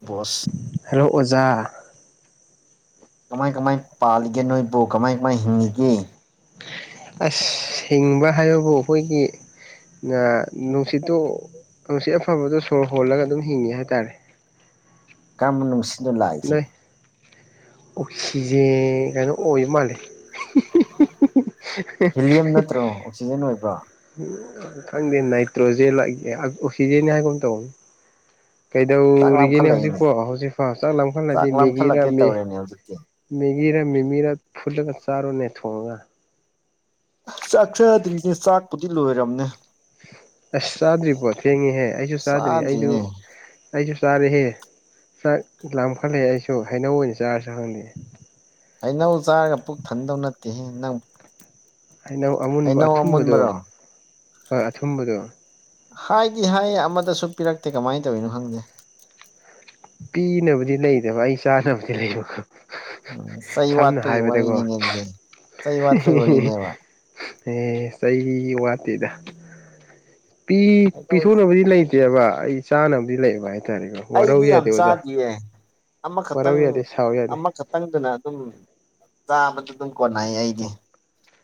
Bose hello ꯑꯣꯖꯥ ꯀꯃꯥꯏ ꯀꯃꯥꯏ ꯄꯥꯜꯂꯤꯒꯦ ꯅꯣꯏꯕꯨ ꯀꯃꯥꯏ ꯀꯃꯥꯏ ꯍꯤꯡꯉꯤꯒꯦ ꯑꯁ ꯍꯤꯡꯕ ꯍꯥꯏꯕꯕꯨ ꯑꯩꯈꯣꯏꯒꯤ [unintelligible] ꯅꯨꯡꯁꯤꯠꯇꯨ ꯅꯨꯡꯁꯤꯠ ꯑꯐꯕꯗꯣ ꯁꯣꯔ ꯍꯣꯜꯂꯒ ꯑꯗꯨꯝ ꯍꯤꯡꯉꯤ ꯍꯥꯏꯇꯥꯔꯦ ꯀꯔꯝꯕ ꯅꯨꯡ [unintelligible] ꯅꯣꯏ ꯑꯣꯛꯁꯤꯖꯦ ꯀꯩꯅꯣ ꯑꯣꯏ ꯃꯥꯜꯂꯦ ꯍꯤꯂꯤꯌꯝ ꯅꯠꯇ꯭ꯔꯣ ꯑꯣꯛꯁꯤꯖꯦꯟ ꯑꯣꯏꯕ꯭ꯔꯣ [unintelligible] ꯎꯝ ꯈꯪꯗꯦ ꯅꯥꯏꯇ꯭ꯔꯣꯖꯦꯟꯂꯣ [unintelligible] ꯑꯣꯛꯁꯤꯖꯦꯟꯅꯤ ꯍꯥꯏꯒꯨꯝ ꯇꯧꯕꯅꯤ ꯆꯥꯛ ꯀꯩꯗꯧꯔꯤꯒꯦꯅꯦ ꯂꯥꯝꯈꯠꯂꯛꯏꯅꯦ ꯍꯧꯖꯤꯛꯄꯨ ꯍꯧꯖꯤꯛꯐꯥꯎ ꯆꯥꯛ ꯆꯥꯛ ꯂꯥꯝꯈꯠꯂꯗꯤ ꯃꯦꯒꯤꯔꯥ ꯂꯥꯝꯈꯠꯂꯛꯀꯦ ꯃꯤ ꯇꯧꯔꯦꯅꯦ ꯍꯧꯖꯤꯛꯇꯤ ꯃꯦꯒꯤꯔꯥ ꯃꯤꯃꯤꯔꯥ ꯐꯨꯠꯂꯒ ꯆꯥꯔꯣꯅꯦ ꯊꯣꯡꯉꯒ ꯑꯁ ꯆꯥꯛ ꯆꯥꯗ꯭ꯔꯤꯅꯦ ꯆꯥꯛꯄꯨꯗꯤ ꯂꯣꯏꯔꯝꯅꯦ ꯑꯁ ꯆꯥꯗ꯭ꯔꯤꯕꯣ ꯊꯦꯡꯉꯤꯍꯦ ꯑꯩꯁꯨ ꯆꯥꯗ꯭ꯔꯤ ꯑꯩꯖꯨ ꯆꯥꯗ꯭ꯔꯤꯅꯦ ꯑꯩꯖꯨ ꯆꯥꯔꯦꯍꯦ ꯆꯥꯛ ꯂꯥꯝꯈꯠꯂꯛꯑꯦ ꯑꯩꯁꯨ ꯍꯩꯅꯧ ꯑꯣꯏꯅ ꯆꯥꯔꯁꯤꯔꯥ ꯈꯪꯗꯦ ꯍꯩꯅꯧ ꯆꯥꯔꯒ ꯄꯨꯛ ꯊꯟꯗꯧ ꯅꯠꯇꯦꯍ‌ꯦ ꯅꯪ ꯍꯩꯅꯧ ꯑꯃꯨꯟꯕ ꯍꯩꯅꯧ ꯑꯊꯨꯝꯕꯗꯣ ꯑꯃꯨꯟꯕꯔꯣ ꯍꯣꯏ ꯑꯊꯨꯝꯕꯗꯣ ꯍꯥꯏꯗꯤ ꯍꯥꯏꯌꯦ ꯑꯃꯗꯁꯨ ꯄꯤꯔꯛꯇꯦ ꯀꯃꯥꯏ ꯇꯧꯏꯅꯣ ꯈꯪꯗꯦ ꯄꯤꯅꯕꯗꯤ ꯂꯩꯗꯕ ꯑꯩ ꯆꯥꯅꯕꯗꯤ ꯂꯩꯕꯀꯣ ꯎꯝ ꯆꯩ ꯁꯝꯅ ꯋꯥꯠꯄꯒꯤ ꯍꯥꯏꯕꯗꯀꯣ ꯋꯥꯔꯤꯅꯤꯅꯦ ꯑꯗꯨꯗꯤ ꯆꯩ ꯋꯥꯠꯄꯒꯤ ꯋꯥꯔꯤꯅꯦꯕ ꯑꯦ ꯆꯩ ꯋꯥꯠꯇꯦꯗ ꯄꯤ ꯄꯤꯊꯣꯛꯅꯕꯗꯤ ꯂꯩ ꯇꯦꯕ ꯑꯩ ꯆꯥꯅꯕꯗꯤ ꯂꯩꯕ ꯍꯥꯏ ꯑꯩꯗꯤ ꯌꯥꯝ ꯆꯥꯗꯤꯌꯦ ꯋꯥꯔꯧ ꯑꯃꯈꯛꯇꯪ ꯌꯥꯗꯦ ꯁꯥꯎ ꯌꯥꯗꯦ ꯑꯃꯈ ꯇꯪꯗꯨꯅ ꯑꯗꯨꯝ ꯆꯥꯕꯗ ꯑꯗꯨꯝ ꯀꯣꯟꯅꯩ ꯑꯩꯗꯤ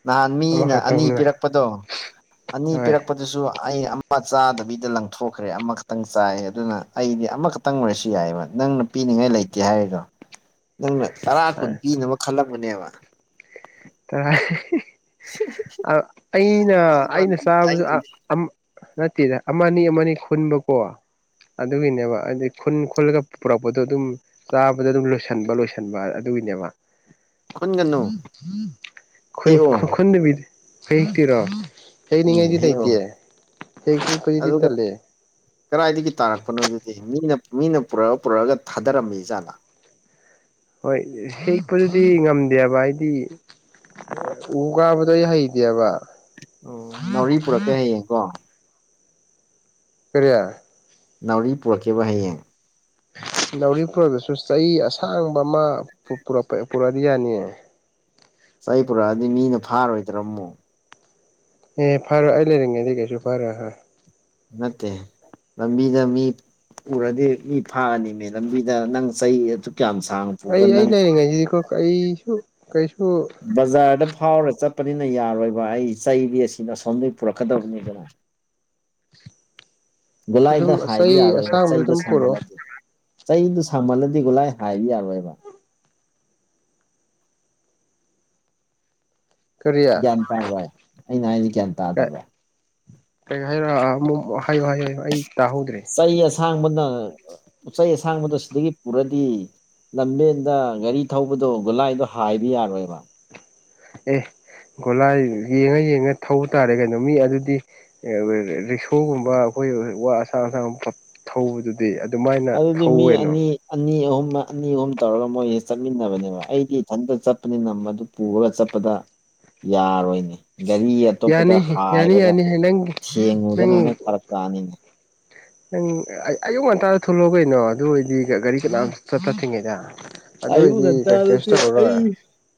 ꯅꯍꯥꯟ ꯃꯤꯅ ꯑꯅꯤ ꯑꯃꯈꯛꯇꯪꯅ ꯄꯤꯔꯛꯄꯗꯣ ꯑꯅꯤ ꯍꯣꯏ ꯄꯤꯔꯛꯄ ꯑꯗꯨꯁꯨ ꯑꯩ ꯑꯃ ꯆꯥꯗꯕꯤꯗ ꯂꯪꯊꯣꯛꯈ꯭ꯔꯦ ꯑꯃꯈꯛꯇꯪ ꯆꯥꯏ ꯑꯗꯨꯅ ꯑꯩꯗꯤ ꯑꯃꯈꯛꯇꯪ ꯑꯣꯏꯔꯁꯨ ꯌꯥꯏꯕ ꯅꯪꯅ ꯄꯤꯅꯤꯡꯉꯥꯏ ꯂꯩꯇꯦ ꯍꯥꯏꯔꯤꯗꯣ ꯅꯪꯅ ꯇꯔꯥ ꯀꯨꯟ ꯄꯤꯅꯕ ꯈꯜꯂꯝꯕꯅꯦꯕ ꯀꯔꯥꯏ ꯑ ꯑꯩꯅ ꯑꯩꯅ ꯆꯥꯕꯁꯨ ꯑꯥ ꯑꯩꯅꯗꯤ ꯑꯝ ꯅꯠꯇꯦꯗ ꯑꯃꯅꯤ ꯑꯃꯅꯤ ꯈꯨꯟꯕꯀꯣ ꯑꯗꯨꯒꯤꯅꯦꯕ ꯍꯥꯏꯗꯤ ꯈꯨꯟ ꯈꯨꯜꯂꯒ ꯄꯨꯔꯛꯄꯗꯣ ꯑꯗꯨꯝ ꯆꯥꯕꯗ ꯑꯗꯨꯝ ꯂꯣꯏꯁꯟꯕ ꯂꯣꯏꯁꯟꯕ ꯑꯗꯨꯒꯤꯅꯦꯕ ꯈꯨꯟꯒꯅꯨ ꯈꯨꯟ ꯍꯦꯛꯑꯣ ꯈꯨꯟꯗꯕꯤ ꯍ‌ꯦꯛꯇꯤꯔꯣ ꯎꯝ ꯍꯦꯛꯅꯤꯡꯉꯥꯏꯗꯤ ꯍꯦꯛꯑꯣ ꯂꯩꯇꯤꯌ‌ꯦ ꯍꯦꯛꯗꯤ ꯈ‌ꯣꯏꯗꯤ ꯇꯜꯂꯦ ꯀꯔꯥꯏꯗꯒꯤ ꯇꯥꯔꯛꯄꯅꯣ ꯑꯗꯨꯗꯤ ꯃꯤꯅ ꯃꯤꯅ ꯄꯨꯔꯛꯑ ꯄꯨꯔꯛꯑꯒ ꯊꯥꯗꯔꯝꯃꯤ ꯖꯥꯠꯂꯥ ꯍꯣꯏ ꯍꯦꯛꯄꯗꯨꯗꯤ ꯉꯝꯗꯦꯕ ꯍꯥꯏꯗꯤ ꯎ ꯀꯥꯕꯗꯣ ꯑꯩ ꯍꯩꯇ‌ꯦꯕ ꯑꯣ ꯅꯥꯎꯔꯤ ꯄꯨꯔꯛꯀꯦ ꯍꯌꯦꯡ ꯀꯣ ꯀꯔꯤ ꯅꯥꯎꯔꯤ ꯄꯨꯔꯛꯀ‌ꯦꯕ ꯍꯌꯦꯡ ꯅꯧꯔꯤ ꯄꯨꯔꯛꯗꯁꯨ ꯆꯩ ꯑꯁꯥꯡꯕ ꯑꯃ ꯄꯨ ꯄꯨꯔꯛꯄ ꯄꯨꯔꯛꯑꯗꯤ ꯌꯥꯅꯤꯌꯦ ꯆꯩ ꯄꯨꯔꯛꯑꯗꯤ ꯃꯤꯅ ꯐꯥꯔꯣꯏꯗ꯭ꯔ‌ꯣ ꯃꯨꯛ ꯑꯦ ꯐꯔ‌ꯣꯏ ꯑꯩ ꯂꯩꯔꯤꯉꯩꯗꯤ ꯀꯩꯁꯨ ꯐꯔ‌ꯣꯏ ꯍꯥ ꯅꯠꯇ‌ꯦ ꯂꯝꯕꯤꯗ ꯃꯤ ꯎꯔꯗꯤ ꯃꯤ ꯐꯥꯔꯅꯤ ꯃꯤ ꯂꯝꯕꯤꯗ ꯅꯪ ꯆꯩ ꯑꯗꯨꯛ ꯌꯥꯝ ꯁꯥꯡ ꯑꯩ ꯑꯩ ꯂꯩꯔꯤꯉꯩꯁꯤꯗꯤꯀꯣ ꯀꯩꯁꯨ ꯀꯩꯁꯨ ꯕꯖꯥꯔꯗ ꯐꯥꯎꯔ ꯆꯠꯄꯅꯤꯅ ꯌꯥꯔꯣꯏꯕ ꯑꯩ ꯆꯩꯗꯤ ꯑꯁꯤꯅ ꯑꯁꯣꯝꯗꯒꯤ ꯄꯨꯔꯛꯀꯗꯕꯅꯤꯗꯅ ꯑꯗꯨꯝ ꯒꯨꯂꯥꯏꯗ ꯍꯥꯏꯕ ꯆꯩ ꯌꯥꯔꯣꯏꯕ ꯑꯁꯥꯡꯕꯗꯣ ꯆꯩꯗ‌ꯣ ꯑꯗꯨꯝ ꯄꯨꯔꯛꯑꯣ ꯁꯥꯡꯃꯜꯂꯗꯤ ꯆꯩꯗꯨ ꯁꯥꯡꯃꯜꯂꯗꯤ ꯒꯣꯂꯥꯏ ꯍꯥꯏꯕ ꯌꯥꯔꯣꯏꯕ ꯀꯔꯤ ꯒ꯭ꯌꯥꯟ ꯇꯥꯔꯣꯏ ꯑꯩꯅ ꯍꯥꯏꯖꯤ ꯒ꯭ꯌꯥꯟ ꯇꯥꯗꯕ꯭ꯔ ꯀꯩꯅ‌ꯣ ꯍꯥꯏꯔꯑꯣ ꯑꯃꯛ ꯍꯥꯏꯌꯨ ꯍꯥꯏꯌꯨ ꯑꯩ ꯇꯥꯍꯧꯗ꯭ꯔꯦ ꯆꯩ ꯑꯁꯥꯡꯕꯅ ꯑ ꯄꯣꯠꯆꯩ ꯑꯁꯥꯡꯕꯗ‌ꯣ ꯁꯤꯗꯒꯤ ꯄꯨꯔꯗꯤ ꯂꯝꯕꯦꯟꯗ ꯒꯥꯔꯤ ꯊꯧꯕꯗꯣ ꯒꯨꯂꯥꯏꯗꯣ ꯍꯥꯏꯕ ꯌꯥꯔꯣꯏꯕ ꯑꯦ ꯒꯣꯂꯥꯏ ꯌꯦꯡꯉ ꯌꯦꯡꯉ ꯊꯧ ꯇꯥꯔꯦ ꯀꯩꯅꯣ ꯃꯤ ꯑꯗꯨꯗꯤ ꯑ‌ꯥ [unintelligible] ꯔꯤꯛꯁꯣꯒꯨꯝꯕ ꯑꯩꯈꯣꯏ ꯋꯥ ꯑꯁꯥꯡ ꯑꯁꯥꯡ ꯄ ꯊꯧꯕꯗꯨꯗꯤ ꯑꯗꯨꯃꯥꯏꯅ ꯑꯗꯨꯗꯤ ꯃꯤ ꯊꯧꯋꯦꯅꯣ ꯑꯅꯤ ꯑꯅꯤ ꯑꯍꯨꯝ ꯑꯅꯤ ꯑꯍꯨꯝ ꯇꯧꯔꯒ ꯃꯣꯏꯁꯦ ꯆꯠꯃꯤꯟꯅꯕꯅꯦꯕ ꯑꯩꯗꯤ ꯏꯊꯟꯇ ꯆꯠꯄꯅꯤ ꯅꯝꯕꯗꯨ ꯄꯨꯔꯒ ꯆꯠꯄꯗ ꯌꯥꯔꯣꯏꯅꯦ ꯒꯥꯔꯤ ꯑꯇꯣꯞꯄꯗ ꯌꯥꯅꯤ ꯌꯥꯅꯤ ꯍꯥꯏꯕꯗ ꯌꯥꯅꯤ ꯅꯪ ꯅꯪ ꯊꯦꯡꯉꯨꯗꯅ ꯑꯃꯨꯛ ꯐꯔꯛ ꯇꯅꯤꯅꯦ ꯅꯪ ꯑ ꯑꯌꯨꯛ ꯉꯟꯇꯥꯗ ꯊꯂꯛꯑꯣ ꯀꯩꯅꯣ ꯑꯗꯨ ꯑꯣꯏꯗꯤ ꯒꯥꯔꯤ ꯀꯅꯥꯝ ꯆꯠꯄ ꯊꯤꯡꯉꯤꯅ ꯑꯌꯨꯛ ꯉꯟꯇꯗꯗꯤ ꯑꯩ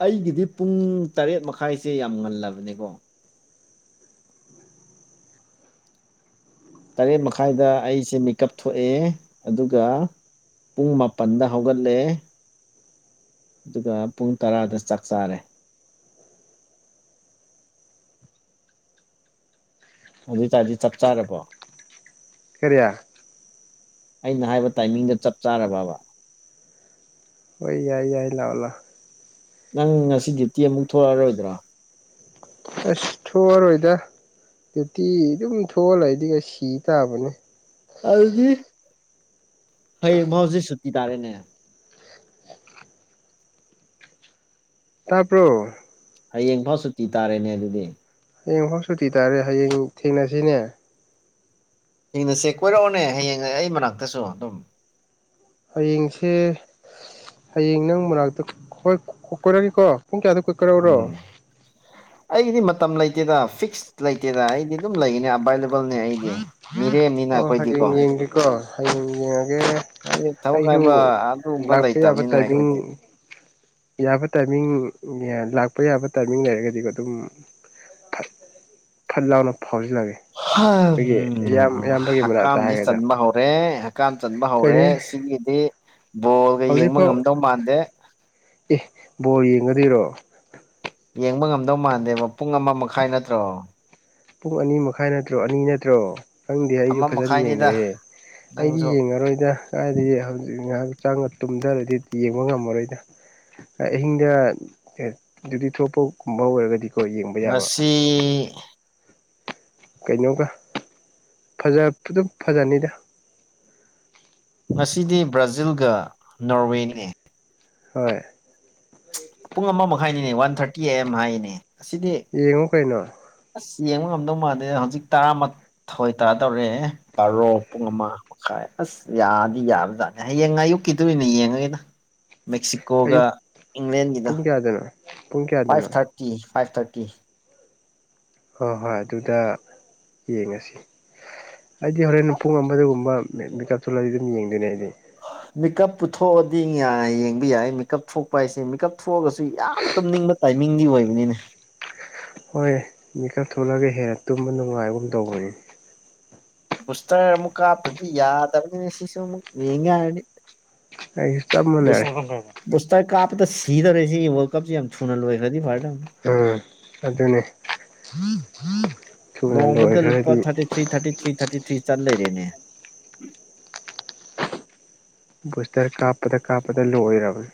ꯑꯩꯒꯤꯗꯤ ꯄꯨꯡ ꯇꯔꯦꯠ ꯃꯈꯥꯏꯁꯦ ꯌꯥꯝ ꯉꯜꯂꯕꯅꯤꯀꯣ ꯇꯔꯦꯠ ꯃꯈꯥꯏꯗ ꯑꯩꯁꯦ ꯃꯤꯀꯞ ꯊꯣꯛꯑꯦ ꯑꯗꯨꯒ ꯄꯨꯡ ꯃꯥꯄꯟꯗ ꯍꯧꯒꯠꯂꯦ ꯑꯗꯨꯒ ꯄꯨꯡ ꯇꯔꯥꯗ ꯆꯥꯛ ꯆꯥꯔꯦ ꯑꯗꯨꯏꯇꯥꯔꯗꯤ ꯆꯞ ꯆꯥꯔꯕꯣ ꯀꯔꯤ ꯑꯩꯅ ꯍꯥꯏꯕ ꯇꯥꯏꯃꯤꯡꯗ ꯆꯞ ꯆꯥꯔꯕꯕ ꯍꯣꯏ ꯌꯥꯏ ꯌꯥꯏ ꯂꯥꯛꯑꯣ ꯂꯥꯛ ꯅꯪ ꯉꯁꯤ ꯗ꯭ꯌꯨꯇꯤ ꯑꯃꯨꯛ ꯊꯣꯛꯑꯔꯣꯏꯗ꯭ꯔꯣ ꯑꯁ ꯊꯣꯛꯑꯔꯣꯏꯗ ꯅꯨꯏꯇꯤ ꯑꯗꯨꯝ ꯊꯣꯛꯑ ꯑꯩꯗꯤ ꯁꯤ ꯇꯥꯕꯅꯤ ꯑꯗꯨꯗꯤ ꯍꯌꯦꯡ ꯃꯥꯎꯖꯦ ꯁꯨꯇꯤ ꯇꯥꯔꯦꯅꯦ ꯇꯕ꯭ꯔꯣ ꯍꯌꯦꯡꯐꯥꯎ ꯁꯨꯇꯤ ꯇꯥꯔꯦꯅꯦ ꯑꯗꯨꯗꯤ ꯍꯌꯦꯡ ꯐꯥꯎ ꯁꯨꯇꯤ ꯇꯥꯔꯦ ꯍꯌꯦꯡ ꯊꯦꯡꯅꯁꯤꯅꯦ ꯍꯤꯡꯅꯁꯦ ꯀꯣꯏꯔꯛꯑꯣꯅꯦ ꯍꯌꯦꯡ ꯑꯩ ꯃꯅꯥꯛꯇꯁꯨ ꯑꯗꯨꯝ ꯍꯌꯦꯡꯁꯦ ꯍꯌꯦꯡ ꯅꯪ ꯃꯅꯥꯛꯇ ꯀꯣꯏ ꯀꯣꯏꯔꯛꯑꯒꯦꯀꯣ ꯄꯨꯡ ꯀꯌꯥꯗ ꯀꯣꯏꯔꯛꯎꯔꯣ ꯎꯝ ꯑꯩꯒꯤꯗꯤ ꯃꯇꯝ ꯂꯩꯇꯦꯗ ꯐꯤꯛꯁ ꯂꯩꯇꯦꯗ ꯑꯩꯗꯤ ꯑꯗꯨꯝ ꯂꯩꯒꯅꯤ ꯑꯕꯥꯏ ꯕꯜꯅꯦ ꯑꯩꯗꯤ ꯃꯤꯔꯦꯝꯅꯤꯅ ꯑꯈꯣꯏꯗꯤꯀꯣ ꯀꯣ ꯍꯌꯦꯡ ꯌꯦꯡꯉꯒꯦ ꯍꯥꯏꯗꯤ ꯊꯕꯛ ꯑꯩꯁꯨ ꯍꯥꯏꯕ ꯑꯗꯨꯒꯨꯝꯕ ꯂꯥꯛꯄ ꯌꯥꯕ ꯂꯩꯇꯕꯅꯤꯅ ꯇꯥꯏꯃꯤꯡ ꯑꯩꯈꯣꯏꯗꯤ ꯌꯥꯕ ꯇꯥꯏꯃꯤꯡ ꯂꯥꯛꯄ ꯌꯥꯕ ꯇꯥꯏꯃꯤꯡ ꯂꯩꯔꯒꯗꯤꯀꯣ ꯑꯗꯨꯝ ꯐꯠ ꯐꯠ ꯂꯥꯎꯅ ꯐꯥꯎꯖꯜꯂꯒꯦ [unintelligible] ꯎ ꯃꯅꯥꯛꯇ ꯍꯛꯀꯝꯖꯦ ꯍꯥꯏꯒꯗ꯭ꯔꯥ ꯆꯟꯕ ꯍꯧꯔꯦ ꯍꯛꯀꯝ ꯆꯟꯕ ꯍꯧꯔꯦ ꯀꯩꯅꯤ ꯁꯤꯒꯤꯗꯤ ꯕꯣꯜꯒ ꯌꯦꯡꯕ ꯍꯧꯖꯤꯛꯐꯥꯎ ꯉꯝꯗꯧ ꯃꯥꯟꯗꯦ ꯑꯦ ꯕꯣꯔ ꯌꯦꯡꯒꯗꯣꯏꯔꯣ ꯌꯦꯡꯕ ꯉꯝꯗꯧ ꯃꯥꯟꯗꯦꯕ ꯄꯨꯡ ꯑꯃ ꯃꯈꯥꯏ ꯅꯠꯇ꯭ꯔꯣ ꯄꯨꯡ ꯑꯅꯤ ꯃꯈꯥꯏ ꯅꯠꯇ꯭ꯔꯣ ꯑꯅꯤ ꯅꯠꯇ꯭ꯔꯣ ꯈꯪꯗꯦ ꯑꯃ ꯑꯩꯖꯨ ꯐꯖꯅ ꯃꯈꯥꯏꯅꯤꯗ ꯌꯦꯡꯗ꯭ꯔꯦꯍꯦ ꯑꯩꯗꯤ ꯅꯪꯁꯨ ꯌꯦꯡꯉꯔꯣꯏꯗ ꯀꯥꯏꯗꯒꯤ ꯍꯧꯖꯤꯛ ꯉꯥꯍꯥꯛꯖꯥꯡꯒ ꯇꯨꯝꯗꯔꯗꯤ ꯌꯦꯡꯕ ꯉꯝꯃꯔꯣꯏꯗ ꯑꯍꯤꯡꯗ ꯑꯗꯨꯗꯤ ꯊꯣꯛꯄꯒꯨꯝꯕ ꯑꯣꯏꯔꯒꯗꯤ ꯉꯁꯤ ꯀꯩꯅꯣꯒ ꯐꯖ ꯐꯨꯗꯨꯞ ꯐꯖꯅꯤꯗ ꯉꯁꯤꯗꯤ ꯕ꯭ꯔꯥꯖꯤꯜꯒ ꯅꯣꯔꯋꯦꯅꯦ ꯍꯣꯏ ꯄꯨꯡ ꯑꯃ ꯃꯈꯥꯏꯅꯤꯅꯦ ꯋꯥꯟ ꯊꯥꯔꯇꯤ ꯑꯦ ꯑꯦꯝ ꯍꯥꯏꯅꯦ ꯑꯁꯤꯗꯤ ꯌꯦꯡꯉꯣ ꯀꯩꯅꯣ ꯑꯁ ꯌꯦꯡꯕ ꯉꯝꯗꯧ ꯃꯥꯥꯟꯗꯦꯗ ꯍꯧꯖꯤꯛ ꯇꯔꯥ ꯊꯋꯣꯏ ꯇꯗꯣꯔꯦ ꯕꯥꯔꯣ ꯄꯨꯡ ꯑꯃ ꯥꯃꯈꯥꯏ ꯑꯁ ꯌꯥꯗꯤ ꯌꯥꯕꯖꯥꯠꯅꯤ ꯍꯌꯦꯡ ꯑꯌꯨꯛꯀꯤꯗꯨ ꯑꯣꯏꯅ ꯌꯦꯡꯉꯒꯦꯗ ꯃꯦꯛꯁꯤꯀꯣꯒ ꯑꯌꯨꯛ ꯏꯪꯂꯦꯟꯒꯤ ꯄꯨꯡ ꯀꯌꯥꯗꯅꯣ ꯄꯨꯡ ꯐꯥꯏꯚ ꯀꯌꯥꯗꯅꯣ ꯊꯥꯔꯇꯤ ꯐꯥꯏꯚ ꯊꯥꯔꯇꯤ ꯍꯣꯏ ꯍꯣꯏ ꯑꯗꯨꯗ ꯌꯦꯡꯉꯁꯤ ꯑꯩꯗꯤ ꯍꯣꯔꯦꯟ ꯄꯨꯡ ꯑꯃꯗꯒꯨꯝꯕ ꯃꯦꯀꯞ ꯊꯣꯛꯜꯂꯗꯤ ꯑꯗꯨꯝ ꯌꯦꯡꯗꯣꯏꯅꯦ ꯑꯩꯗꯤ ꯃꯦꯀꯞꯄꯨ ꯊꯣꯛꯑꯗꯤ ꯌꯦꯡꯕ ꯌꯥꯏ ꯃꯦꯀꯞ ꯊꯣꯛꯄ ꯍꯥꯏꯁꯦ ꯃꯦꯀꯞ ꯊꯣꯛꯑꯒꯁꯨ ꯌꯥꯝ ꯇꯨꯝꯅꯤꯡꯕ ꯇꯥꯏꯃꯤꯡꯗꯤ ꯑꯣꯏꯕꯅꯤꯅꯦ ꯍꯣꯏ ꯃꯤꯀꯞ ꯊꯣꯛꯂꯒ ꯍꯦꯟꯅ ꯇꯨꯝꯕ ꯅꯨꯡꯉꯥꯏꯒꯨꯝ ꯇꯧꯕꯅꯤꯅꯦ ꯕꯨꯁꯇꯔ ꯑꯃꯨꯛ ꯀꯥꯞꯇꯗꯤ ꯌꯥꯗꯕꯅꯤꯅꯦ ꯁꯤꯁꯨ ꯑꯃꯨꯛ ꯌꯦꯡꯒꯦ ꯍꯥꯏꯔꯗꯤ ꯑꯩꯁꯨ ꯆꯞ ꯃꯅꯩ ꯕꯨꯁꯇ ꯀꯥꯞꯄꯗ ꯁꯤꯗꯧꯔꯦ ꯁꯤꯒꯤ ꯋꯥꯔꯜ ꯀꯞꯁꯤ ꯌꯥꯝ ꯊꯨꯅ ꯂꯣꯏꯈ꯭ꯔꯥꯗꯤ ꯐꯥꯔꯗꯧꯅꯤ ꯎꯝ ꯑꯗꯨꯅꯦ ꯊꯨꯅ ꯅꯣꯡꯃꯗ ꯂꯨꯄꯥ ꯂꯣꯏꯈ꯭ꯔꯥꯗꯤ ꯊꯥꯔꯇꯤ ꯊ꯭ꯔꯤ ꯊꯔꯇꯤ ꯊ꯭ꯔꯤ ꯊꯥꯇꯤ ꯊ꯭ꯔꯤ ꯆꯜ ꯂꯩꯔꯦꯅꯦ ꯕꯨꯁꯇꯔ ꯀꯥꯞꯄꯗ ꯀꯥꯞꯄꯗ ꯂꯣꯏꯔꯕꯅꯦ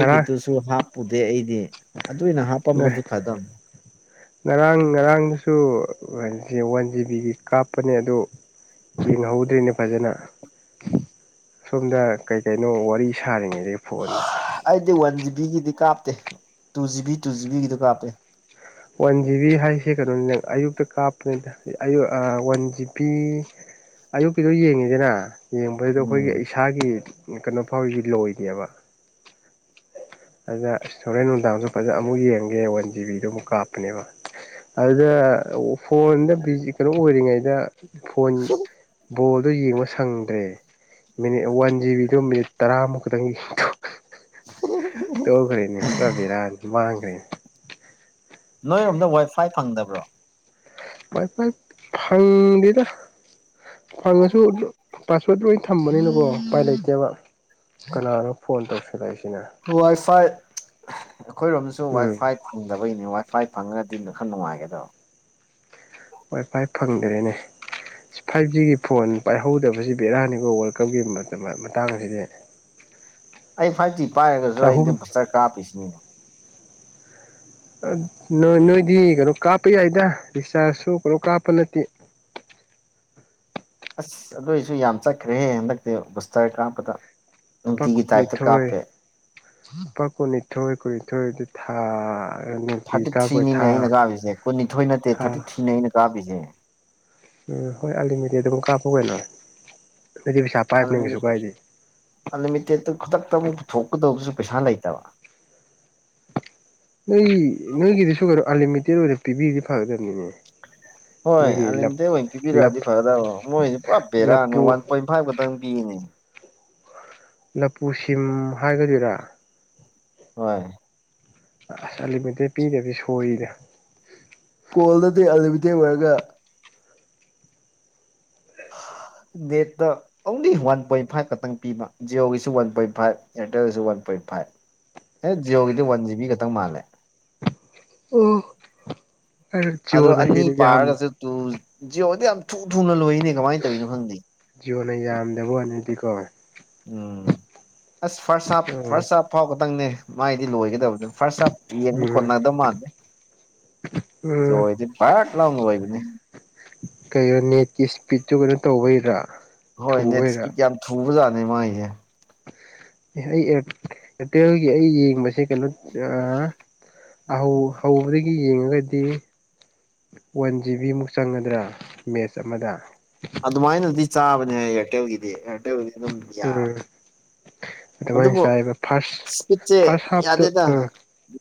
ꯉꯔꯥꯡ ꯍꯥꯞꯄꯨꯗꯦ ꯑꯩꯗꯤ ꯑꯗꯨ ꯑꯣꯏꯅ ꯍꯥꯄꯝꯃꯗꯤ ꯐꯗꯧꯅꯤ ꯉꯔꯥꯡ ꯉꯔꯥꯡꯁꯨ ꯋꯥꯟ ꯖꯤꯕꯤꯒꯤ ꯀꯥꯞꯄꯅꯦ ꯑꯗꯨ ꯌꯦꯡꯍꯧꯗꯦꯅꯦ ꯐꯥꯖꯅ ꯁꯣꯝꯗ ꯀꯩ ꯀꯩꯅꯣ ꯋꯥꯔꯤ ꯁꯥꯔꯤꯉꯩꯗ ꯐꯣꯟꯗ ꯑꯩꯗꯤ ꯋꯥꯟ ꯖꯤꯕꯤꯒꯤꯗꯤ ꯀꯥꯞꯇꯦ ꯇꯨ ꯖꯤꯕꯤ ꯇꯨ ꯖꯤꯕꯤꯒꯤꯗꯣ ꯀꯥꯞꯄꯦ ꯋꯥꯟ ꯖꯤꯕꯤ ꯍꯥꯏꯁꯦ ꯀꯩꯅꯣꯅꯤꯗ ꯑꯌꯨꯛꯇ ꯀꯥꯞꯄꯅꯤꯗ ꯑꯌꯨꯛ ꯑꯥ ꯋꯥꯟ ꯖꯤꯕꯤ ꯑꯌꯨꯛꯀꯤꯗꯣ ꯌꯦꯡꯉꯤꯗꯅ ꯌꯦꯡꯕꯖꯤꯗ ꯑꯩꯈꯣꯏꯒꯤ ꯎꯝ ꯏꯁꯥꯒꯤ ꯀꯩꯅꯣ ꯐꯥꯎꯁꯤ ꯂꯣꯏꯗꯦꯕ ꯑꯗ ꯏꯁ ꯍꯣꯔꯦꯟ ꯅꯨꯡꯗꯥꯡꯁꯨ ꯐꯥꯖꯅ ꯑꯃꯨꯛ ꯌꯦꯡꯒꯦ ꯋꯥꯟ ꯖꯤꯕꯤꯗꯨ ꯑꯃꯨꯛ ꯀꯥꯞ ꯄꯅꯦꯕ ꯑꯗꯨꯗ ꯐꯣꯟꯗ ꯕꯤꯖꯤ ꯀꯩꯅꯣ ꯑꯣꯏꯔꯤꯉꯩꯗ ꯐꯣꯟ ꯕꯣꯜꯗꯣ ꯌꯦꯡꯕ ꯁꯪꯗ꯭ꯔꯦ ꯃꯤꯅꯤꯠ ꯋꯥꯟ ꯖꯤꯕꯤꯗꯣ ꯃꯤꯅꯤꯠ ꯇꯔꯥꯃꯨꯛ ꯈꯛꯇꯪꯒꯤ [unintelligible] ꯇꯧꯈ꯭ꯔꯦꯅꯦ ꯄꯨꯔꯥꯕꯦꯔꯥꯅꯤ ꯃꯥꯡꯒ꯭ꯔꯦ ꯅꯣꯏꯔꯣꯝꯗ ꯋꯥꯏꯐꯥꯏ ꯐꯪꯗꯕ꯭ꯔꯣ ꯋꯥꯏ ꯐꯥꯏ ꯐꯪꯗꯦꯗ ꯐꯪꯉꯁꯨ ꯄꯥꯁꯋꯥꯔꯗ ꯂꯣꯏ ꯊꯝꯕꯅꯤꯅꯀꯣ ꯎꯄꯥꯏ ꯂꯩꯇꯦꯕ ꯀꯅꯥꯅꯣ ꯐꯣꯟ ꯇꯧꯁꯤꯜꯂꯛꯏꯁꯤꯅ ꯋꯥꯏꯐꯥꯏ ꯑꯩꯈꯣꯏꯔꯣꯝꯗꯁꯨ ꯎꯝ ꯋꯥꯏꯐꯥꯏ ꯐꯪꯗꯕꯩꯅꯦ ꯋꯥꯏ ꯐꯥꯏ ꯐꯪꯔꯗꯤ ꯈꯔ ꯅꯨꯡꯉꯥꯏꯒꯗꯕ ꯋꯥꯏ ꯐꯥꯏ ꯐꯪꯗ꯭ꯔꯦꯅꯦ ꯐꯥꯏꯚ ꯖꯤꯒꯤ ꯐꯣꯟ ꯄꯥꯏꯍꯧꯗꯕꯁꯤ ꯕꯦꯔꯥꯅꯤꯀꯣ ꯋꯥꯔꯜ ꯀꯞꯀꯤ ꯌꯦꯡꯕ ꯃꯇꯥꯡ ꯑꯁꯤꯗꯤ ꯑꯩ ꯐꯥꯏꯚ ꯖꯤ ꯄꯥꯏꯔꯒꯁꯨ ꯆꯍꯨꯝ ꯑꯩꯗꯤ ꯕꯨꯁꯇꯔ ꯀꯥꯞ ꯄꯤꯁꯤꯅꯤꯅꯦ ꯅꯣꯏ ꯅꯣꯏꯗꯤ ꯀꯩꯅꯣ ꯀꯥꯞꯄ ꯌꯥꯏꯗ ꯔꯤꯛꯆꯥꯔꯖꯁꯨ ꯀꯩꯅꯣ ꯀꯥꯞꯄ ꯅꯠꯇꯦ ꯑꯁ ꯑꯗꯣꯏꯖꯨ ꯌꯥꯝ ꯆꯠꯈ꯭ꯔꯦꯍꯦ ꯍꯟꯗꯛꯇꯤ ꯕꯨꯁꯇꯔ ꯀꯥꯞꯄꯗ ꯂꯨꯄꯥ ꯅꯨꯡꯇꯤꯒꯤ ꯇꯥꯏꯞꯇ ꯀꯨꯟꯅꯤꯊꯣꯏ ꯀꯥꯞꯄꯦ ꯂꯨꯄꯥ ꯀꯨꯅꯤꯊꯣꯏ ꯀꯨꯅꯤꯊꯣꯏ ꯑꯗꯨ ꯊꯥ ꯅꯨꯡꯇꯤ ꯊꯥꯔꯇꯤ ꯀꯥꯞꯄ ꯊ꯭ꯔꯤꯅꯤꯅꯦ ꯊꯥ ꯑꯩꯅ ꯀꯥꯄꯤꯁꯦ ꯀꯨꯟꯅꯤꯊꯣꯏ ꯅꯠꯇꯦ ꯊꯥ ꯊꯥꯔꯇꯤ ꯊ꯭ꯔꯤꯅꯦ ꯑꯩꯅ ꯀꯥꯞꯄꯤꯁꯦ ꯎꯝ ꯍꯣꯏ ꯑꯜꯂꯤꯃꯤꯇꯦꯠ ꯑꯗꯨꯝ ꯀꯥꯞꯄꯣ ꯀꯩꯅꯣ ꯑꯗꯨꯗꯤ ꯄꯩꯁꯥ ꯄꯥꯏꯕꯅꯤꯅ ꯀꯩꯁꯨ ꯑꯜꯂꯤꯃꯤꯇꯦ ꯀꯥꯏꯗꯦ ꯑꯜꯂꯤꯃꯤꯇꯦꯠꯇꯨ ꯈꯨꯗꯛꯇ ꯑꯃꯨꯛ ꯄꯨꯊꯣꯛꯀꯗꯧꯕꯁꯨ ꯄꯩꯁꯥ ꯂꯩꯇꯕ ꯅꯣꯏꯒꯤ ꯅꯣꯏꯒꯤꯗꯤꯁꯨ ꯑꯜꯂꯤꯃꯤꯇꯦꯠ ꯑꯣꯏꯅ ꯄꯤꯕꯤꯔꯗꯤ ꯐꯥꯒꯗꯕꯅꯤꯅꯦ ꯍꯣꯏ ꯑꯟ ꯂꯤꯃꯤꯇꯦꯠ ꯑꯣꯏ ꯂꯞ ꯄꯤꯕꯤꯔꯛꯑꯗꯤ ꯐꯒꯗꯕ ꯃꯣꯏꯁꯤꯗꯤ ꯄꯨꯔꯥ ꯕꯦꯔꯅꯤ ꯂꯞꯄꯨ ꯋꯥꯟ ꯄꯣꯏꯟ ꯥꯐꯥꯏꯞ ꯈꯇꯪ ꯄꯤꯅꯦ ꯂꯄꯨ ꯁꯤꯝ ꯍꯥꯏꯒꯗꯣꯏꯔꯥ ꯍꯣꯏ ꯑꯁ ꯑꯟꯂꯤꯃꯤꯇꯦꯠ ꯄꯤꯗꯔꯗꯤ ꯁꯣꯏꯗ ꯀꯣꯜꯗꯗꯤ ꯑꯟꯂꯤꯃꯤꯇꯦꯠ ꯑꯣꯏꯔꯒ data only one point five ꯈꯛꯇꯪ ꯄꯤꯕ ꯖꯤꯑꯣꯒꯤꯁꯨ ꯋꯥꯟ ꯄꯣꯏꯟ ꯐꯥꯏꯚ ꯑꯦꯌꯥꯔꯇꯦꯜꯒꯤꯁꯨ ꯋꯥꯟ ꯄꯣꯏꯟ ꯐꯥꯏꯚ ꯑꯦ ꯖꯤꯌꯣꯒꯤꯗꯤ ꯋꯥꯟ ꯖꯤ ꯕꯤ ꯈꯛꯇꯪ ꯃꯥꯜꯂꯦ ꯑꯝ ꯑꯗꯣ ꯖꯤꯌꯣꯅ ꯑꯅꯤ ꯍꯦꯟꯅ ꯌꯥꯝ ꯄꯥꯔꯒꯁꯨ ꯇꯨ ꯖꯤꯑꯣꯗꯤ ꯌꯥꯝ ꯊꯨ ꯊꯨꯅ ꯂꯣꯏꯅꯦ ꯀꯃꯥꯏꯅ ꯇꯧꯔꯤꯅꯣ ꯈꯪꯗꯦ ꯖꯤꯑꯣꯅ ꯌꯥꯝꯗꯦꯕꯅꯗꯤꯀꯣ ꯎꯝ ꯑꯁ ꯐꯥꯔꯁꯠ ꯍꯥꯞ ꯎꯝ ꯐꯥꯔꯁꯠ ꯍꯥꯞ ꯐꯥꯎꯕ ꯇꯪꯅꯦ ꯃꯥꯏꯗꯤ ꯂꯣꯏꯒꯗꯕꯗꯨ ꯐꯥꯔꯁꯠ ꯍꯥꯞ ꯌꯦꯟꯕ ꯎꯝ ꯀꯣꯟꯅꯗꯕ ꯃꯥꯟꯗꯦ ꯎꯝ ꯖꯣꯏꯗꯤ ꯄꯔ ꯂꯥꯎꯅ ꯂꯣꯏꯕꯅꯦ ꯀꯩꯅꯣ ꯅꯦꯠꯀꯤ ꯁꯄꯤꯠꯇꯨ ꯀꯩꯅꯣ ꯇꯧꯕꯩꯔꯥ ꯍꯣꯏ ꯅꯦꯠ ꯊꯨꯕꯩꯔꯥ ꯁꯄꯤꯠ ꯌꯥꯝ ꯊꯨꯕꯖꯥꯠꯅꯦ ꯃꯥꯒꯤꯁꯦ ꯑꯦ ꯑꯩ ꯑꯦꯔꯇꯦꯜꯒꯤ ꯑꯩ ꯌꯦꯡꯕꯁꯦ ꯀꯩꯅꯣ ꯍꯧ ꯍꯧꯕꯗꯒꯤ ꯌꯦꯡꯉꯒꯗꯤ ꯋꯥꯟ ꯖꯤꯕꯤꯃꯨꯛ ꯆꯪꯒꯗ꯭ꯔꯥ ꯃꯦꯠꯆ ꯑꯃꯗ ꯑꯗꯨꯃꯥꯏꯅꯗꯤ ꯆꯥꯕꯅꯦ ꯑꯦꯌꯥꯔꯇꯦꯜꯒꯤꯗꯤ ꯑꯦꯔꯇꯦꯜꯒꯤꯗꯤ ꯑꯗꯨꯝ ꯌꯥ ꯎꯝ ꯑꯗꯨꯃꯥꯏꯅ ꯑꯗꯨꯕꯨ ꯆꯥꯏꯕ ꯐꯥꯔꯁ ꯁꯄꯤꯠꯁꯦ ꯐꯥꯔꯁ ꯍꯥꯞꯇꯣ ꯌꯥꯗꯦꯗ ꯎꯝ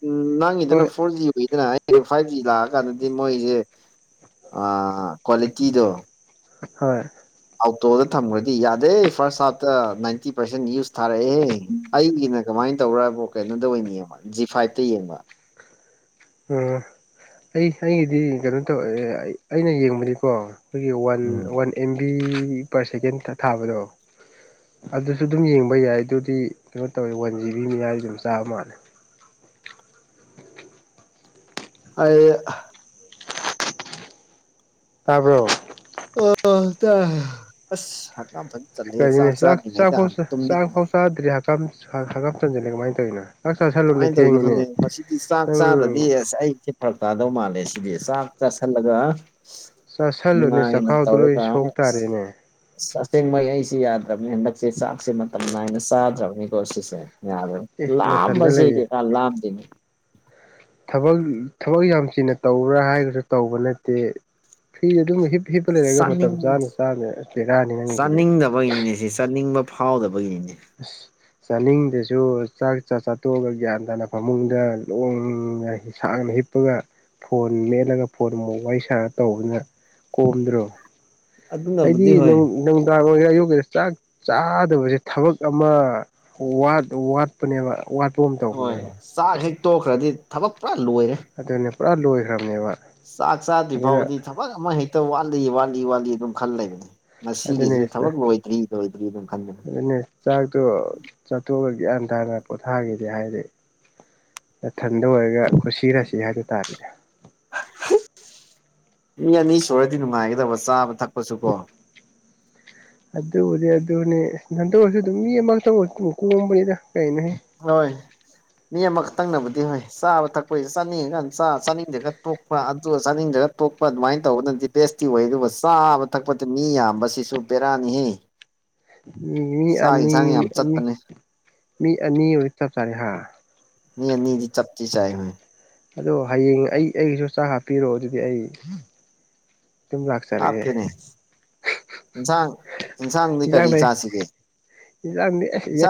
ꯎꯝ ꯅꯪꯒꯤꯗꯅ ꯍꯣꯏ ꯐꯣꯔ ꯖꯤ ꯑꯣꯏꯗꯅ ꯍꯥꯏ ꯑꯦ ꯐꯥꯏꯚ ꯖꯤ ꯂꯥꯛꯑꯀꯥꯟꯗꯗꯤ ꯃꯣꯏꯁꯦ ꯀ꯭ꯋꯥꯂꯤꯇꯤꯗꯣ ꯍꯣꯏ ꯑꯥꯎꯇꯣꯗ ꯊꯝꯈ꯭ꯔꯗꯤ ꯌꯥꯗꯦ ꯐꯥꯔꯁꯠ ꯍꯥꯐꯇ ꯅꯥꯏꯟꯇꯤ ꯄꯥꯔꯁꯦꯟ ꯌꯨꯁ ꯊꯥꯔꯛꯑꯦ ꯑꯩꯒꯤꯅ ꯀꯃꯥꯏꯅ ꯇꯧꯕꯔꯕꯨ ꯀꯩꯅꯣꯗ ꯑꯣꯏꯅ ꯌꯦꯕ ꯖꯤ ꯐꯥꯏꯚꯇ ꯌꯦꯡꯕ ꯑꯣ ꯑꯩ ꯑꯩꯒꯤꯗꯤ ꯀꯩꯅꯣ ꯇꯧ ꯑꯩꯅ ꯌꯦꯡꯕꯗꯤꯀꯣ ꯑꯩꯈꯣꯏꯒꯤ one um one M B per second ꯊꯥꯕꯗꯣ ꯑꯗꯨꯁꯨ ꯑꯗꯨꯝ ꯌꯦꯡꯕ ꯌꯥꯏ ꯑꯗꯨꯗꯤ ꯀꯩꯅꯣ ꯇꯧꯋꯦ ꯋꯥꯟ ꯖꯤ ꯕꯤ ꯃꯤꯌꯥꯏꯗꯤ ꯑꯗꯨꯝ ꯆꯥꯕ ꯃꯥꯜꯂꯦ ꯑꯩ ꯇꯥꯕ꯭ꯔꯣ ꯑꯣ ꯇꯥꯏ ꯑꯁ ꯍꯛꯀꯥꯝ ꯐꯖꯅ ꯆꯜꯂꯦ ꯆꯥꯛ ꯀꯩꯅꯣꯅꯦ ꯆꯥꯗ꯭ꯔꯤꯉꯩꯗ ꯆꯥꯛꯐꯥꯎ ꯍꯥꯟꯅ ꯇꯨꯝꯅꯤꯡꯉꯦ [unintelligible] [unintelligible] ꯆꯟꯁꯤꯜꯂꯦ ꯀꯃꯥꯏꯅ ꯇꯧꯔꯤꯅꯣ ꯆꯥꯛ ꯆꯥꯥꯁꯜꯂꯨꯅꯦ ꯀꯃꯥꯏꯅ ꯇꯧꯔꯤꯅꯣ ꯈꯪꯗꯦ ꯊꯦꯡꯉꯤꯅꯦ ꯃꯁꯤꯗꯤ ꯆꯥꯛ ꯆꯥꯗꯔꯗꯤ ꯅꯪ ꯑꯁ ꯑꯩꯁꯦ ꯐꯔꯛ ꯇꯥꯗꯧ ꯃꯥꯜꯂꯦ ꯁꯤꯗꯤ ꯆꯥꯛ ꯆꯥꯁꯜꯂꯒ ꯆꯥꯁꯜꯂꯨꯅꯦ ꯅꯨꯡꯉꯥꯏꯅ ꯆꯈꯥꯎꯗꯣ ꯂꯣꯏ ꯇꯧꯔꯒ ꯁꯣꯛ ꯇꯥꯔꯦꯅꯦ ꯑꯁꯦꯡꯕꯩ ꯑꯩꯁꯦ ꯌꯥꯗ꯭ꯔꯕꯅꯦ ꯍꯟꯗꯛꯁꯦ ꯆꯥꯛꯁꯦ ꯃꯇꯝ ꯅꯥꯏꯅ ꯆꯥꯗ꯭ꯔꯕꯅꯦ ꯀꯣꯁꯤꯁꯦ ꯌꯥꯔꯣꯏ ꯑꯦ ꯅꯥꯊꯟꯗ ꯂꯥꯝꯕꯁꯦ ꯂꯩꯌꯦ ꯀꯌꯥ ꯂꯥꯝꯗꯦꯅꯦ ꯊꯕꯛ ꯊꯕꯛ ꯌꯥꯝ ꯆꯤꯟꯅ ꯇꯧꯕ꯭ꯔꯥ ꯍꯥꯏꯔꯒꯁꯨ ꯇꯧꯕ ꯅꯠꯇꯦ ꯐ꯭ꯔꯤꯗ ꯑꯗꯨꯝ ꯍꯤꯞ ꯍꯤꯞꯄ ꯂꯩꯔꯒ ꯃꯇꯝ ꯆꯥꯅꯤꯡ ꯆꯥꯅ ꯆꯥꯅ ꯕꯦꯔꯥꯅꯤ ꯅꯪꯒꯤꯁꯤꯗꯤ ꯅꯤꯅꯦ ꯁꯤ ꯆꯠꯅꯤꯡꯕ ꯐꯥꯎꯗꯕꯒꯤꯅꯤ [unintelligible] ꯆꯥꯅꯤꯡꯗꯁꯨ ꯆꯥꯛ ꯆꯥ ꯆꯥꯊꯣꯛꯑꯒ ꯒ꯭ꯌꯥꯟ ꯇꯥꯅ ꯐꯃꯨꯡꯗ ꯂꯣꯡꯅ ꯁꯥꯡꯅ ꯍꯤꯞ ꯄꯒ ꯐꯣꯟ ꯃꯦꯠꯂꯒ ꯐꯣꯟ ꯑꯃꯨꯛ ꯋꯥꯔꯤ ꯁꯥꯔ ꯇꯧꯕꯗꯨꯅ ꯀꯣꯝꯗ꯭ꯔꯣ ꯑꯩꯗꯤ ꯑꯗꯨꯅꯕꯨꯗꯤ ꯅꯪ ꯍꯣꯏ ꯅꯪ ꯅꯨꯡꯗꯥꯡ ꯑꯣꯏꯒꯦꯔ ꯑꯌꯨꯛꯀꯤꯗ ꯆꯥꯛ ꯆꯥꯗꯕꯁꯦ ꯊꯕꯛ ꯑꯃ ꯋꯥꯠꯄꯅꯦꯕ꯫ ꯋꯥꯠꯄꯒꯨꯝ ꯍꯣꯏ ꯇꯧꯕꯅꯦꯕ꯫ ꯆꯥꯛ ꯍꯦꯛ ꯇꯣꯛꯈ꯭ꯔꯗꯤ ꯊꯕꯛ ꯄꯨꯔꯥ ꯂꯣꯏꯔꯦ꯫ ꯑꯗꯨꯅꯦ ꯄꯨꯔꯥ ꯂꯣꯏꯈ꯭ꯔꯝꯅꯦꯕ ꯆꯥꯛ ꯆꯥꯗ꯭ꯔꯤ ꯑꯗꯨꯅ ꯐꯥꯎꯕꯗꯤ ꯊꯕꯛ ꯑꯃ ꯍꯦꯛꯇ ꯋꯥꯠꯂꯤ ꯋꯥꯠꯂꯤ ꯋꯥꯠꯂꯤ ꯑꯗꯨꯝ ꯈꯜ ꯂꯩꯕꯅꯤ꯫ ꯑꯗꯨꯅꯦ ꯉꯁꯤꯒꯤꯁꯤ ꯊꯕꯛ ꯂꯣꯏꯗ꯭ꯔꯤ ꯂꯣꯏꯗ꯭ꯔꯤ ꯑꯗꯨꯝ ꯈꯟꯕꯅꯦ꯫ ꯑꯗꯨꯅꯦ ꯆꯥꯛꯇꯣ ꯆꯥꯊꯣꯛꯑꯒ ꯒ꯭ꯌꯥꯟ ꯇꯥꯅ ꯄꯣꯊꯥꯒꯦꯗ ꯍꯥꯏꯗꯦ꯫ ꯅꯊꯟꯗ ꯑꯣꯏꯔꯒ ꯀꯨꯁꯤ ꯔꯥꯁꯤ ꯍꯥꯏꯗꯣ ꯇꯥꯔꯦꯅꯦ꯫ ꯃꯤ ꯑꯅꯤ ꯁꯨꯔꯗꯤ ꯅꯨꯡꯉꯥꯏꯒꯗꯕ ꯆꯥꯕ ꯊꯛꯄꯁꯨ ꯀꯣ꯫ ꯑꯗꯨꯕꯨꯗꯤ ꯑꯗꯨꯅꯦ ꯑꯁ ꯅꯊꯟꯇ ꯑꯣꯏꯔꯁꯨ ꯑꯗꯨꯝ ꯃꯤ ꯑꯃ ꯈꯛꯇꯪ ꯑꯣꯏꯔꯁꯨꯗꯨꯝ ꯀꯣꯝꯕꯅꯤꯗ ꯀꯩꯅꯣꯍꯦ꯫ ꯍꯣꯏ ꯃꯤ ꯑꯃ ꯈꯛꯇꯪꯅꯕꯨꯗꯤ ꯍꯣꯏ ꯆꯥꯕ ꯊꯛꯄꯩꯁꯦ ꯆꯥꯅꯤꯡꯉꯀꯥꯟ ꯆꯥ ꯆꯥꯅꯤꯡꯗ꯭ꯔꯒ ꯇꯣꯛ ꯍꯣꯏ ꯑꯗꯨ ꯆꯥꯅꯤꯡꯗ꯭ꯔꯒ ꯇꯣꯛꯄ ꯑꯗꯨꯃꯥꯏꯅ ꯇꯧꯕꯗꯅꯗꯤ ꯕꯦꯁꯇꯤ ꯑꯣꯏ ꯑꯗꯨꯒ ꯆꯥꯕ ꯊꯛꯄꯗ ꯃꯤ ꯌꯥꯝꯕꯁꯤꯁꯨ ꯕꯦꯔꯥꯅꯤꯍꯦ꯫ ꯃꯤ ꯆꯥꯛ ꯑꯅꯤ ꯌꯦꯟꯁꯥꯡ ꯌꯥꯝ ꯃ-ꯃꯤ ꯆꯠꯄꯅꯦ ꯃꯤ ꯑꯅꯤ ꯑꯣꯏ ꯆꯞ ꯆꯥꯔꯦ ꯍꯥ꯫ ꯃꯤ ꯑꯅꯤꯗꯤ ꯆꯞꯇꯤ ꯆꯥꯏ ꯍꯣꯏ꯫ ꯑꯗꯣ ꯍꯌꯦꯡ ꯑꯩ ꯑꯩꯒꯤꯁꯨ ꯆꯥꯛ ꯍꯥꯞꯄꯤꯔꯛꯑꯣ ꯑꯗꯨꯗꯤ ꯑꯩ꯫ ꯑꯗꯨꯝ ꯂꯥꯛꯆꯔꯒꯦ ꯍꯥꯞꯀꯦꯅꯦ ꯏꯟꯁꯥꯡ ꯏꯟꯁꯥꯡꯗꯤ ꯀꯔꯤ ꯆꯥꯁꯤꯒꯦ꯫ ꯏꯟꯁꯥꯡꯗꯤ ꯑꯦ ꯌꯥ